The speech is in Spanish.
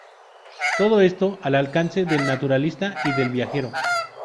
Todo esto al alcance del naturalista y del viajero.